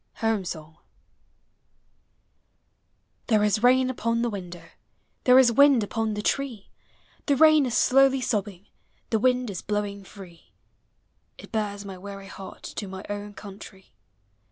HOMK SONG. There is rain upon the window, There is wind upon the tree; The rain is slowly sobbing, The wind is blowing free: POEMS OF HOME It bears my weary heart To my own country.